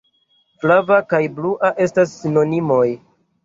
Flava kaj blua estas sinonimoj!